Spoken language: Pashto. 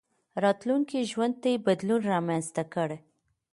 راتلونکي ژوند ته بدلون رامنځته کړئ.